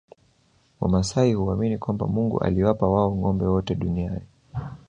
Wamasai huamini kwamba Mungu aliwapa wao ngombe wote duniani